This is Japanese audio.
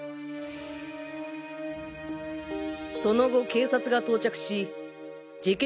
その後警察が到着し事件